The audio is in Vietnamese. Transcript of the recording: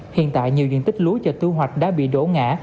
hiện tại nhiều diện tích lúa cho thu hoạch đã bị đổ ngã